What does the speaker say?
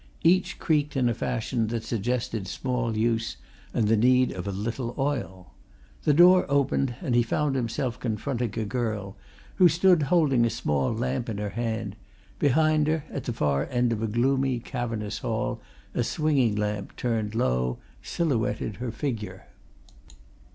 Each creaked in a fashion that suggested small use, and the need of a little oil. The door opened, and he found himself confronting a girl, who stood holding a small lamp in her hand; behind her, at the far end of a gloomy, cavernous hall a swinging lamp, turned low, silhouetted her figure.